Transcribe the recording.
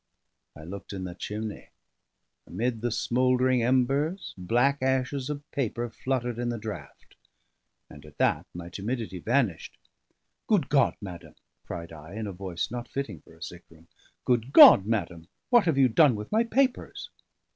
I looked in the chimney; amid the smouldering embers, black ashes of paper fluttered in the draught; and at that my timidity vanished. "Good God, madam," cried I, in a voice not fitting for a sick room, "Good God, madam, what have you done with my papers?"